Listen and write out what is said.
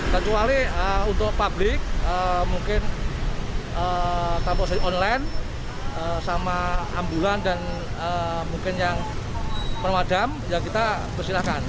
kecuali untuk publik mungkin kampus online sama ambulan dan mungkin yang permadam ya kita persilahkan